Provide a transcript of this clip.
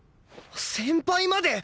先輩まで！？